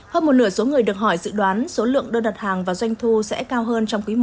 hơn một nửa số người được hỏi dự đoán số lượng đơn đặt hàng và doanh thu sẽ cao hơn trong quý i